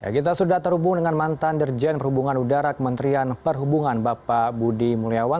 kita sudah terhubung dengan mantan dirjen perhubungan udara kementerian perhubungan bapak budi mulyawan